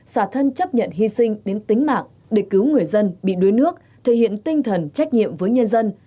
xả thân chấp nhận hy sinh đến tính mạng để cứu người dân bị đuối nước thể hiện tinh thần trách nhiệm với nhân dân